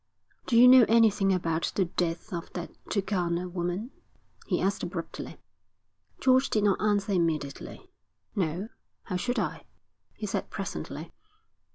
'Do you know anything about the death of that Turkana woman?' he asked abruptly. George did not answer immediately. 'No. How should I?' he said presently.